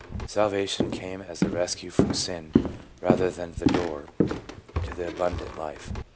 Salvation came as the rescue from sin rather than the door to the abundant life.